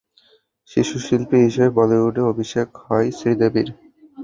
শিশুশিল্পী হিসেবে বলিউডে অভিষেক হয় শ্রীদেবীর।